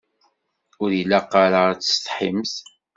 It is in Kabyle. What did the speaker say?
Ur ilaq ara ad tessetḥimt.